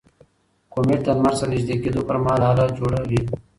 کومیټ د لمر سره نژدې کېدو پر مهال هاله جوړوي.